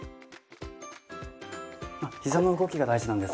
膝の動きが大事なんですか？